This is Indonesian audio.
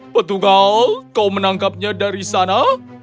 petugas kau menangkapnya dari sana